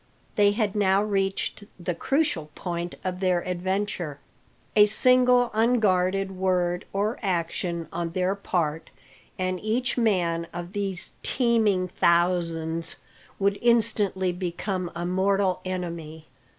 They had now reached the crucial point of their adventure. A single unguarded word or action on their part, and each man of these teeming thousands would instantly become a mortal enemy!